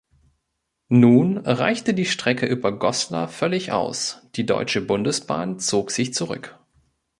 Nun reichte die Strecke über Goslar völlig aus, die Deutsche Bundesbahn zog sich zurück.